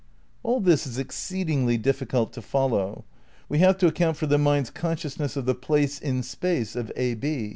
All this is exceedingly difficult to follow. We have to account for the mind's consciousness of the place in space of ab.